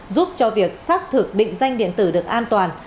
giúp cho việc xác thực định danh điện tử được an toàn